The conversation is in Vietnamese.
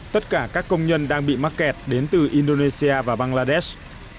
tất cả các công nhân đang bị mắc kẹt đến từ indonesia và bangladesh